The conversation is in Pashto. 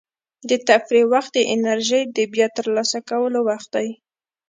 د تفریح وخت د انرژۍ د بیا ترلاسه کولو وخت دی.